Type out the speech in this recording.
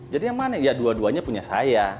jadi yang mana ya dua duanya punya saya